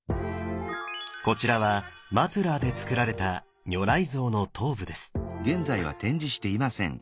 こちらはマトゥラーでつくられた如来像の頭部です。